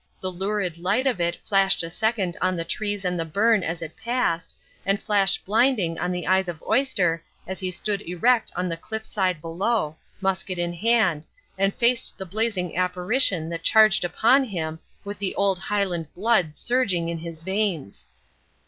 The lurid light of it flashed a second on the trees and the burn as it passed, and flashed blinding on the eyes of Oyster as he stood erect on the cliff side below, musket in hand, and faced the blazing apparition that charged upon him with the old Highland blood surging in his veins.